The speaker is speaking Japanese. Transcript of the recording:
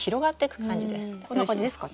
こんな感じですか？